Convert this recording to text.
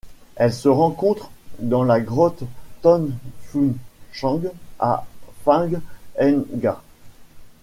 Elle se rencontre dans la grotte Tham Phung Chang à Phang Nga.